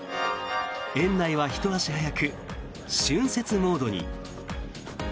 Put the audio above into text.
園内はひと足早く春節モードに。